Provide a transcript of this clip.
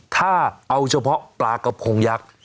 ถ้าเอาเฉพาะปลากระพงยักษ์